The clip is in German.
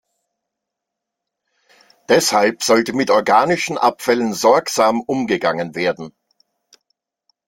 Deshalb sollte mit organischen Abfällen sorgsam umgegangen werden.